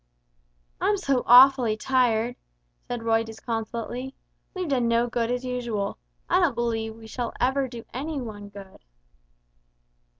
"I'm so awfully tired," said Roy, disconsolately; "we've done no good as usual. I don't believe we ever shall do any one any good!"